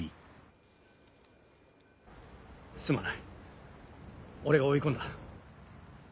すまない俺が追い込んだ。